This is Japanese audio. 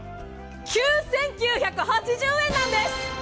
９９８０円なんです！